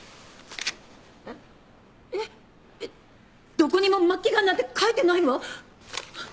どこにも末期癌なんて書いてないわ！